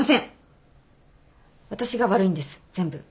私が悪いんです全部。